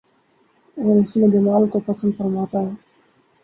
اور حسن و جمال کو پسند فرماتا ہے